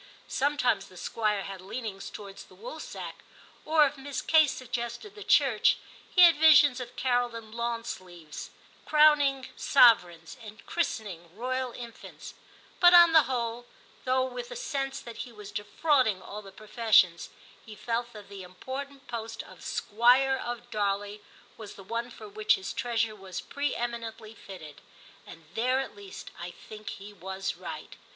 Sometimes the Squire had leanings to wards the Woolsack, or if Miss Kate sug gested the Church, he had visions of Carol in lawn sleeves crowning sovereigns and christening royal infants ; but on the whole, though with a sense that he was defrauding all the professions, he felt that the important post of Squire of Darley was the one for which his treasure was pre eminently fitted ; and there at least I think he was right.